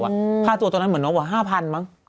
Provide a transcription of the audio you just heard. ภาษาตัวตอนนั้นเหมือนมักกว่า๕๐๐๐บาทมั้ง